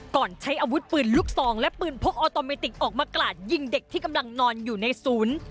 ใช้อาวุธปืนลูกซองและปืนพกออโตเมติกออกมากราดยิงเด็กที่กำลังนอนอยู่ในศูนย์